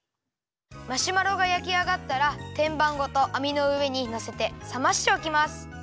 マシュマロがやきあがったらてんばんごとあみのうえにのせてさましておきます。